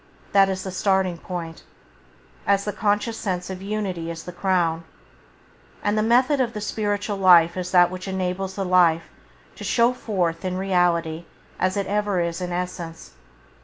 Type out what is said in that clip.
That is the starting point, as the conscious sense of unity is the Crown. And the method of the spiritual life is that which enables the life to show itself forth in reality as it ever is in essence.